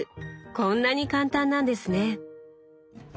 こんなに簡単なんですね！